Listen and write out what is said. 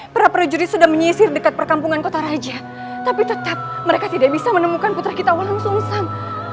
para para juri sudah menyisir dekat perkampungan kota raja tapi tetap mereka tidak bisa menemukan putra kita walang sungsang